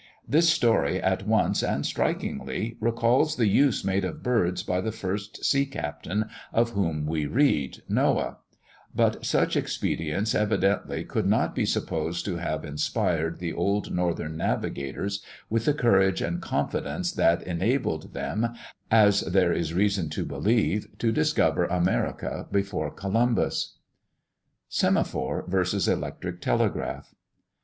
This story at once and strikingly recalls the use made of birds by the first sea captain of whom we read Noah; but such expedients evidently could not be supposed to have inspired the old northern navigators with the courage and confidence that enabled them, as there is reason to believe, to discover America before Columbus. SEMAPHORE v. ELECTRIC TELEGRAPH.